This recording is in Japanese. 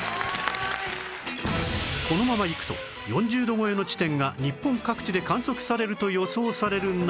このままいくと４０度超えの地点が日本各地で観測されると予想される中